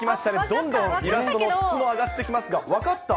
どんどんイラストの質も上がってきますが、分かった？